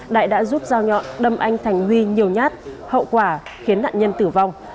đại đã giúp giao nhọn đâm anh thành huy nhiều nhát hậu quả khiến nạn nhân tử vong